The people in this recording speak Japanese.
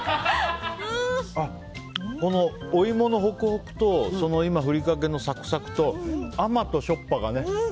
このお芋のホクホクとふりかけのサクサクと甘いとしょっぱがね。